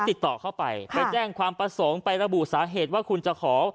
ติดต่อเข้าไปไปแจ้งความประสงค์ไประบุสาเหตุว่าคุณจะขอ